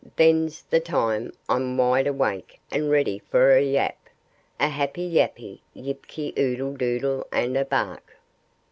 then's the time I'm wide awake and ready with a yap, A happy, yappy yip ky, oodle doodle, and a bark.